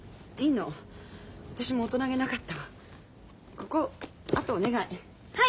ここあとお願い。